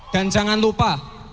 dan jangan lupa